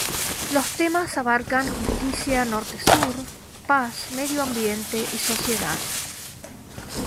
Los temas abarcan justicia norte-sur, paz, medioambiente y sociedad.